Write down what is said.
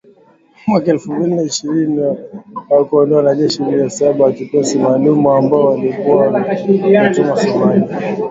mwaka elfu mbili na ishirini wa kuwaondoa wanajeshi mia saba wa kikosi maalum ambao walikuwa wametumwa Somalia